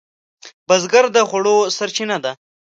بزګر د خوړو سرچینه ده